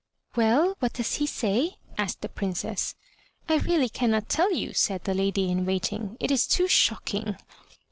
"Well, what does he say?" asked the Princess. "I really cannot tell you," said the lady in waiting, "it is too shocking."